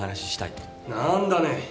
何だね？